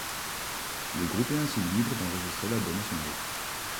Le groupe est ainsi libre d'enregistrer l'album à son rythme.